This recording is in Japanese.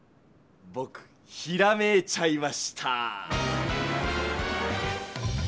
ぼくひらめいちゃいました！